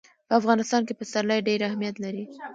په افغانستان کې پسرلی ډېر اهمیت لري.